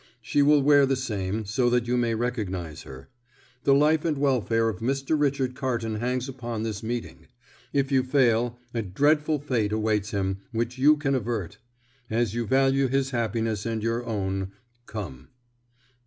She will wear the same, so that you may recognise her. The life and welfare of Mr. Richard Carton hangs upon this meeting. If you fail, a dreadful fate awaits him, which you can avert. As you value his happiness and your own, come."